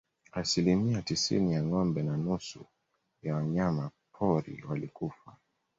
Asilimia tisini ya ngombe na nusu ya wanyama pori walikufa